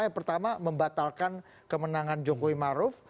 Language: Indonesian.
yang pertama membatalkan kemenangan jokowi maruf